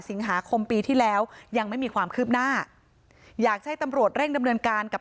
สิงหาคมปีที่แล้วยังไม่มีความคืบหน้าอยากให้ตำรวจเร่งดำเนินการกับ